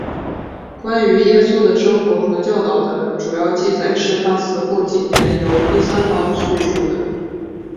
关于耶稣的生活和教导的主要记载是他死后几年由第三方叙述的。